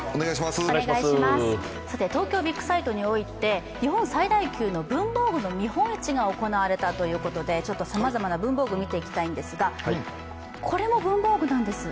東京ビッグサイトにおいて日本最大級の文房具の見本市が行われたということで、さまざまな文房具を見ていきたいんですが、これも文房具なんです。